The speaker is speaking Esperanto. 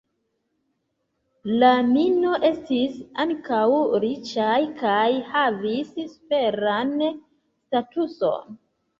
La "Mino" estis ankaŭ riĉaj kaj havis superan statuson.